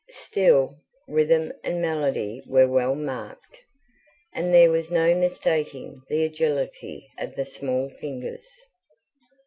Still, rhythm and melody were well marked, and there was no mistaking the agility of the small fingers.